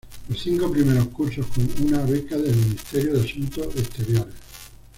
Los cinco primeros cursos con una beca del Ministerio de Asuntos Exteriores.